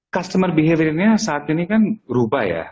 customer behavior nya saat ini kan berubah ya